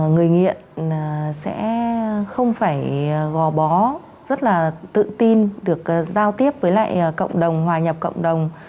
người nghiện sẽ không phải gò bó rất là tự tin được giao tiếp với lại cộng đồng hòa nhập cộng đồng